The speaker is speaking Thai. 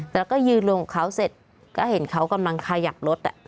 แต่ก็ยืนร่วมกับเขาเสร็จก็เห็นเขากำลังขยับรถอ่ะ